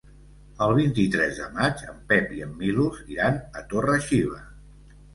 El vint-i-tres de maig en Pep i en Milos iran a Torre-xiva.